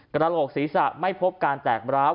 กระโหลกศีรษะไม่พบการแตกร้าว